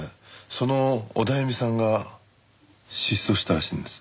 そのオダエミさんが失踪したらしいんです。